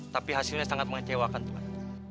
tapi hasilnya sangat mengecewakan tuhan